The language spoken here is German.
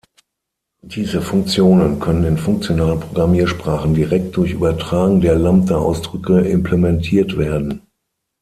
Diese Funktionen können in funktionalen Programmiersprachen direkt durch Übertragen der Lambda-Ausdrücke implementiert werden.